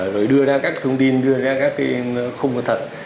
rồi đưa ra các thông tin đưa ra các không có thật